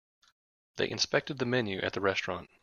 They inspected the menu at the restaurant.